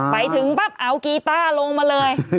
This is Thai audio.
ไปถึงปั๊บเอากีต้าลงมาเลย